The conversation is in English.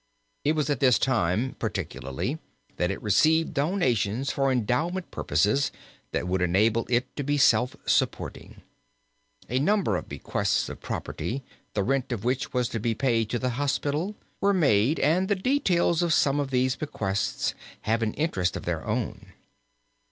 It was at this time, particularly, that it received donations for endowment purposes that would enable it to be self supporting. A number of bequests of property, the rent of which was to be paid to the hospital, were made, and the details of some of these bequests have an interest of their own.